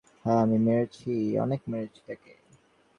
হ্যা, আমি মেরেছি।